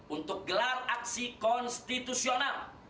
untuk gelar aksi konstitusional